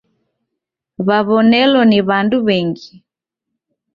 W'aw'onelo ni w'andu w'engi.